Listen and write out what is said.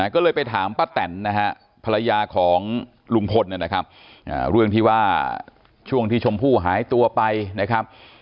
ก็เลยไปถามป้าแตนนะฮะภรรยาของลุงพลนะครับเรื่องที่ว่าช่วงที่ชมพู่หายตัวไปนะครับ